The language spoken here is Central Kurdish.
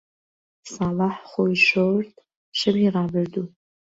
ساڵح خۆی شۆرد، شەوی ڕابردوو.